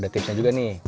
tipsnya juga nih